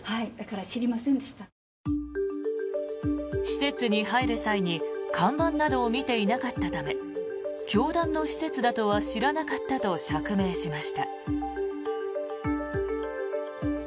施設に入る際に看板などを見ていなかったため教団の施設だとは知らなかったと釈明しました。